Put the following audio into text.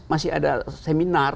masih ada seminar